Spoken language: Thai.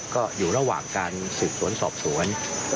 ก็อยู่ระหว่างการสืบสวนสอบสวน